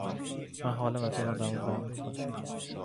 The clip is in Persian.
من حالم از این آدما به هم می خوره